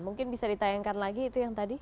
mungkin bisa ditayangkan lagi itu yang tadi